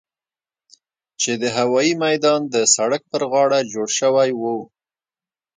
چې د هوايي ميدان د سړک پر غاړه جوړ سوي وو.